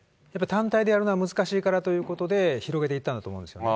単体でやるのは難しいからということで、広げていったんだと思うんですよね。